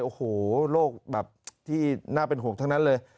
โอ้โหโรคแบบที่น่าเป็นห่วงทั้งนั้นเลย